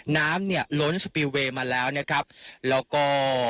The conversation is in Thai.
น้ำเนี่ยร้อนไว้มาแล้วนะครับแล้วก็